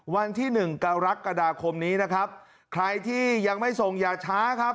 วันที่หนึ่งกรกฎาคมนี้นะครับใครที่ยังไม่ส่งอย่าช้าครับ